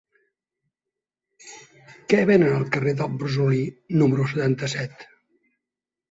Què venen al carrer del Brosolí número setanta-set?